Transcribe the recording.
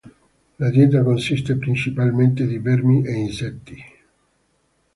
La dieta consiste principalmente di vermi e insetti.